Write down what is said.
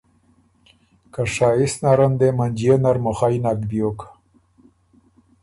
که شائِست نرن دې منجيې نر مُوخئ نک بيوک۔